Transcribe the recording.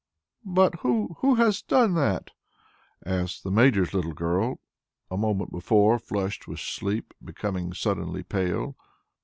"But who ... who has done that?" asks the Major's little girl, a moment before flushed with sleep, becoming suddenly pale.